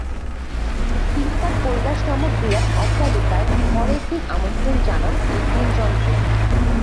তিনি তার কৈলাস নামক বিরাট অট্টালিকায় পরে একদিন আমন্ত্রণ জানান এই তিনজনকে।